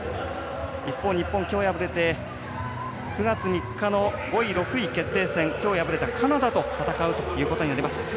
一方、日本きょう敗れて９月３日の５位６位決定戦きょう敗れたカナダと戦うということになります。